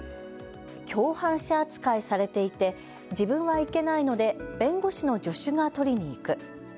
共犯者扱いされていて自分は行けないので弁護士の助手が取りに行く。